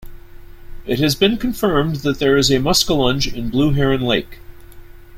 It has been confirmed that there is a muskellunge in Blue Heron Lake.